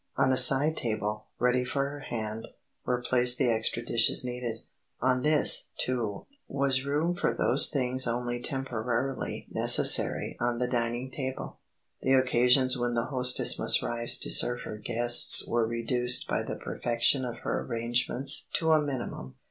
On a side table, ready for her hand, were placed the extra dishes needed. On this, too, was room for those things only temporarily necessary on the dining table. The occasions when the hostess must rise to serve her guests were reduced by the perfection of her arrangements to a minimum.